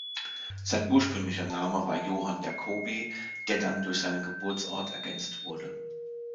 Sein ursprünglicher Name war "Johann Jacobi", der dann durch seinen Geburtsort ergänzt wurde.